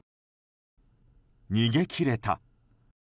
逃げ切れた？